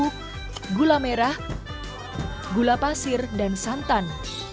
bu gula merah gula pasir dan santan